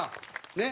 ねっ？